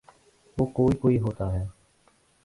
وہ کوئی کوئی ہوتا ہے۔